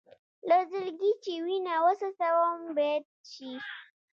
له زړګي چې وينه وڅڅوم بېت شي.